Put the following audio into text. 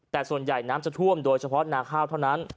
แต่ส่วนใหญ่น้ำจะท่วมโดยเฉพาะนาข้าวเท่านั้น